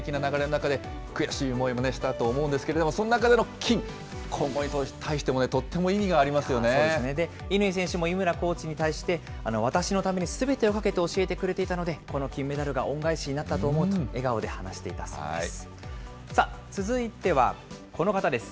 大型化とかパワー重視の世界的な流れの中で、悔しい思いもしたと思うんですけれども、そんな中での金、に対しても、とっても意そして乾選手も井村コーチに対して、私のためにすべてをかけて教えてくれていたので、この金メダルが恩返しになったと思うと、笑顔で話していたそうです。